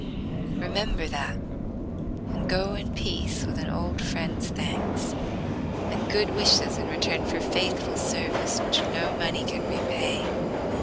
Remember that, and go in peace with an old friend's thanks, and good wishes in return for faithful service, which no money can repay."